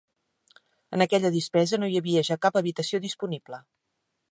En aquella dispesa no hi havia ja cap habitació disponible.